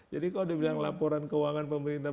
jadi kalau dibilang laporan keuangan pemerintah